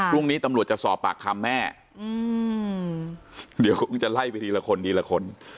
พรุ่งนี้ตำรวจจะสอบปากคำแม่เดี๋ยวคงจะไล่ไปทีละคนทีละคน